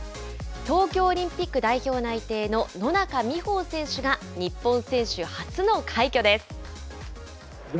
東京オリンピック代表内定の野中生萌選手が日本選手初の快挙です。